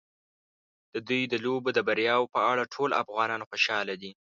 د دوی د لوبو د بریاوو په اړه ټول افغانان خوشاله دي.